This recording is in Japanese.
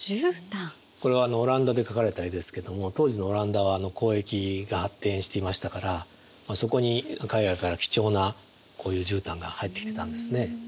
これはオランダで描かれた絵ですけども当時のオランダは交易が発展していましたからそこに海外から貴重なこういうじゅうたんが入ってきてたんですね。